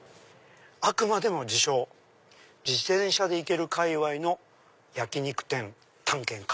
あくまでも自称自転車で行ける界わいの焼き肉店探検家。